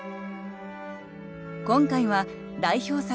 今回は代表作